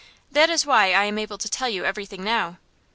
That is why I am able to tell you everything now.